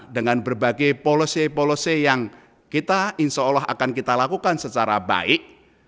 dengan berbagai policy polosi yang kita insya allah akan kita lakukan secara baik